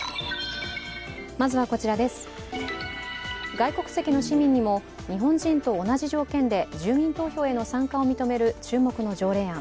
外国籍の市民にも日本人と同じ条件で住民投票への参加を認める注目の条例案。